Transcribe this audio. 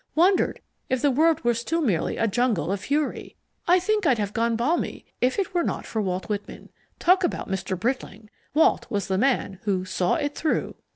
Wondered if the world were still merely a jungle of fury. I think I'd have gone balmy if it weren't for Walt Whitman. Talk about Mr. Britling Walt was the man who 'saw it through.'